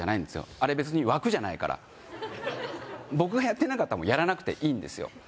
あれ別に枠じゃないから僕がやってなかったらもうやらなくていいんですよ